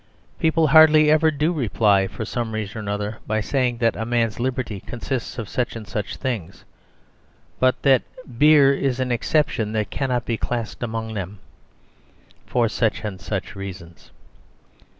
People hardly ever do reply, for some reason or other, by saying that a man's liberty consists of such and such things, but that beer is an exception that cannot be classed among them, for such and such reasons.